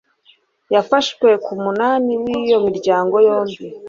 yafashwe ku munani w'iyo miryango yombi